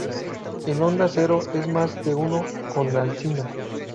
En Onda Cero en Más de uno con Alsina.